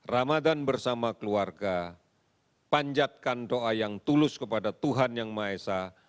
ramadan bersama keluarga panjatkan doa yang tulus kepada tuhan yang maha esa